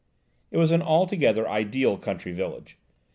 It was an altogether ideal country village.